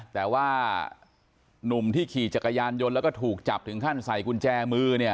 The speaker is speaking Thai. แต่ว่าหนุ่มที่ขี่จักรยานยนต์แล้วก็ถูกจับถึงขั้นใส่กุญแจมือเนี่ย